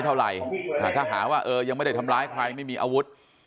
หากหาว่าเออยังไม่ได้ทำร้ายใครไม่มีอาวุธ